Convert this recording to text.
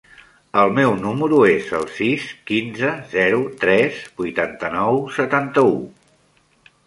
El meu número es el sis, quinze, zero, tres, vuitanta-nou, setanta-u.